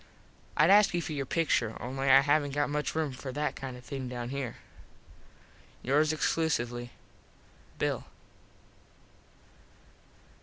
Id ask you for your pictur only I havnt got much room for that kind of thing down here. yours exclusively _Bill.